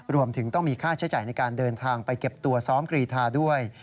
รวมถึงต้องมีค่าใช้จ่ายในการเดินทางไปเก็บตัวซ้อมกรีธาด้วย